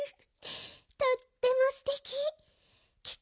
とってもすてき。